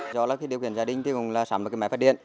do là điều kiện gia đình thì cũng là sắm một cái máy phát điện